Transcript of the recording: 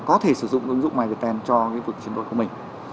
có thể sử dụng ứng dụng myviettel cho cái vực chuyển đổi của mình